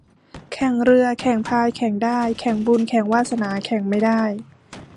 แข่งเรือแข่งแพแข่งได้ แข่งบุญแข่งวาสนาแข่งไม่ได้